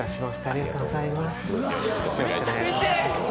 ありがとうございます。